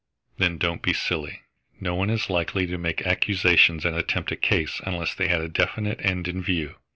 "Then don't be silly. No one is likely to make accusations and attempt a case unless they had a definite end in view.